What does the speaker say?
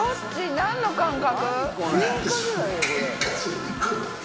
何の感覚？